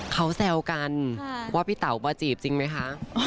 เขาแซวกันว่าพี่เต๋ามาจีบจริงไหมคะ